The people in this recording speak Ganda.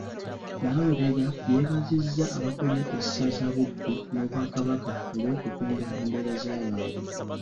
Nalubega yeebazizza abakulira essaza Buddu n'Obwakabaka olw'okutumbula embeera z'abantu.